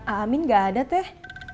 aamin gak ada teh